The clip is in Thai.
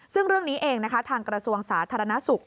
ซึ่งเรื่องนี้เองนะคะทางกระทรวงสาธารณสุข